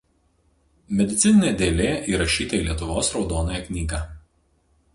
Medicininė dėlė įrašyta į Lietuvos raudonąją knygą.